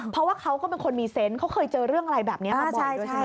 เพราะว่าเขาก็เป็นคนมีเซนต์เขาเคยเจอเรื่องอะไรแบบนี้อ่ะบ่อย